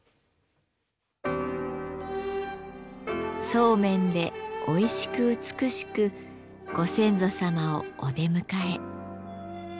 そうめんでおいしく美しくご先祖様をお出迎え。